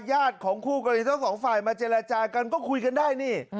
ของคู่กรณีทั้งสองฝ่ายมาเจรจากันก็คุยกันได้นี่